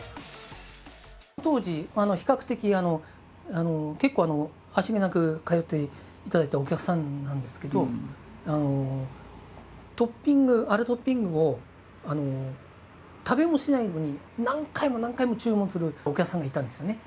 当時、比較的、結構、足しげく通っていただいたお客さんなんですけど、トッピング、あるトッピングを食べもしないのに、何回も何回も注文するお客さんがいたんですよね。